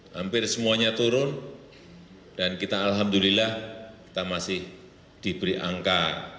hampir semuanya turun dan kita alhamdulillah kita masih diberi angka